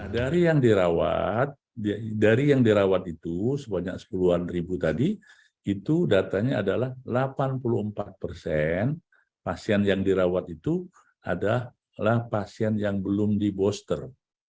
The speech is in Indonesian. dari yang dirawat dari yang dirawat itu sebanyak sepuluhan ribu tadi itu datanya adalah delapan puluh empat persen pasien yang dirawat itu adalah pasien yang belum diboster